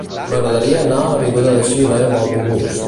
M'agradaria anar a l'avinguda de Xile amb autobús.